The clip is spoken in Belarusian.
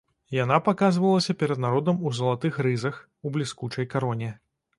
Яна паказвалася перад народам у залатых рызах, у бліскучай кароне.